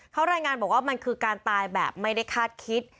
เขารายงานบอกว่ามันคือการตายแบบไม่ได้คาดคิด